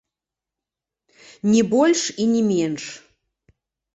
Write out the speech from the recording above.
Не больш і не менш.